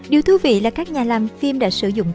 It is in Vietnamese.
điều thú vị là các nhà làm phim đã sử dụng các bài hát